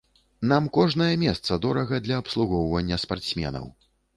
Нам кожнае месца дорага для абслугоўвання спартсменаў.